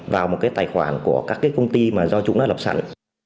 vào một cái tài khoản của các cái công ty mà do chúng đã lập sẵn